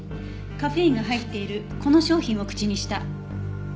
カフェインが入っているこの商品を口にした。